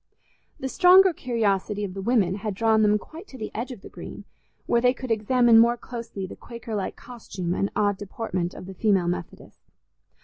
The stronger curiosity of the women had drawn them quite to the edge of the Green, where they could examine more closely the Quakerlike costume and odd deportment of the female Methodists.